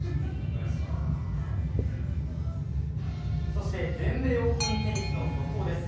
そして全米オープンテニスの速報です。